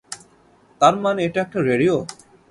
তারমানে, এটা একটা রেডিও?